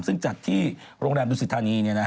ซึ่งจัดที่โรงแรมดุสิทธานี